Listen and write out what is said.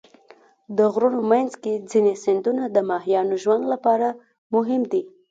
د غرونو منځ کې ځینې سیندونه د ماهیانو ژوند لپاره مهم دي.